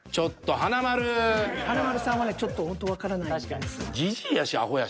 華丸さんはねちょっとほんとわからないんですよ。